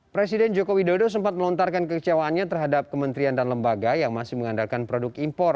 presiden joko widodo sempat melontarkan kekecewaannya terhadap kementerian dan lembaga yang masih mengandalkan produk impor